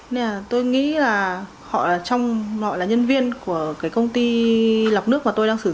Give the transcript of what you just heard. nên là tôi nghĩ là họ trong mọi là nhân viên của cái công ty lọc nước mà tôi đang sử dụng